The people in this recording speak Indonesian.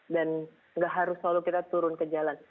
dan tidak harus selalu kita turun ke jalan